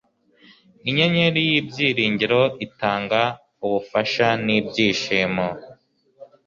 inyenyeri y'ibyiringiro itanga ubufasha n'ibyishimo